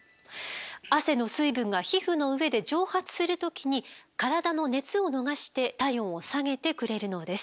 汗の水分が皮膚の上で蒸発する時に体の熱を逃して体温を下げてくれるのです。